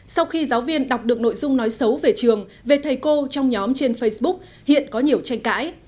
sau khi giáo viên đọc được nội dung nói xấu về trường về thầy cô trong nhóm trên facebook hiện có nhiều tranh cãi